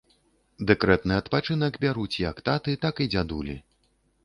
Дэкрэтны адпачынак бяруць як таты, так і дзядулі.